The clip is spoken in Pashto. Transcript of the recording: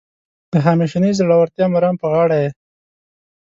د همیشنۍ زړورتیا مرام په غاړه یې.